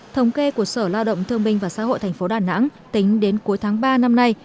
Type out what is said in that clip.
thống kê của sở lao động thương minh và xã hội thành phố đà nẵng tính đến cuối tháng ba năm nay